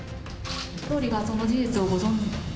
総理がその事実をご存じ。